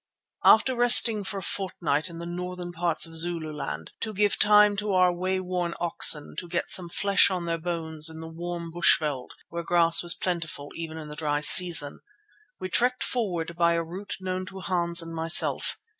After resting for a fortnight in the northern parts of Zululand, to give time to our wayworn oxen to get some flesh on their bones in the warm bushveld where grass was plentiful even in the dry season, we trekked forward by a route known to Hans and myself.